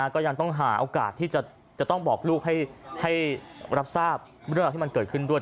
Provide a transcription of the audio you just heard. ก็ยังต้องหาโอกาสที่จะต้องบอกลูกให้รับทราบเรื่องที่มันเกิดขึ้นด้วย